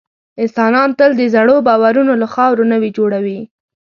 انسانان تل د زړو باورونو له خاورو نوي جوړوي.